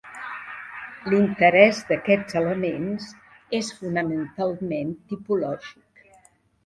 L'interès d'aquests elements és fonamentalment tipològic.